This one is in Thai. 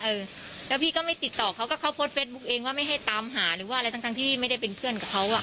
เออแล้วพี่ก็ไม่ติดต่อเขาก็เขาโพสต์เฟสบุ๊คเองว่าไม่ให้ตามหาหรือว่าอะไรทั้งทั้งที่ไม่ได้เป็นเพื่อนกับเขาอ่ะ